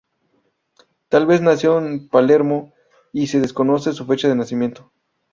Tal vez nació en Palermo y se desconoce su fecha de nacimiento.